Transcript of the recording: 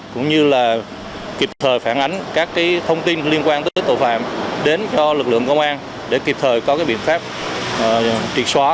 cũng như là kịp thời phản ánh các thông tin liên quan tới tội phạm đến cho lực lượng công an để kịp thời có biện pháp triệt xóa